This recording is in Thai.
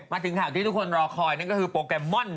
มาถึงข่าวที่ทุกคนรอคอยนั่นก็คือโปรแกรมม่อน